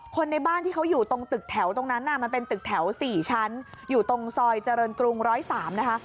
ในบ้านที่เขาอยู่ตรงตึกแถวตรงนั้นมันเป็นตึกแถว๔ชั้นอยู่ตรงซอยเจริญกรุง๑๐๓นะคะ